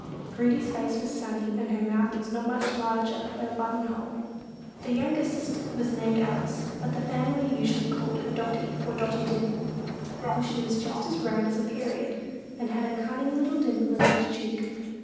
Prudy's face was sunny, and her mouth not much larger than a button hole. The youngest sister was named Alice, but the family usually called her Dotty, or Dotty Dimple, for she was about as round as a period, and had a cunning little dimple in each cheek.